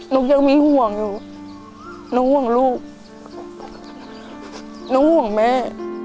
นกยังมิหวงอยู่นกห่วงลูกนกห่วงแม่